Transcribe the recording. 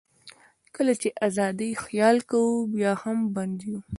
کله چې د آزادۍ خیال کوو، بیا هم بند یو.